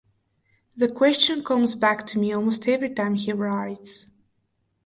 The question comes back to me almost every time he writes.